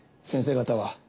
先生方は。